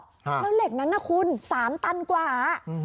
แล้วเหล็กนั้นนะคุณ๓ตันกว่า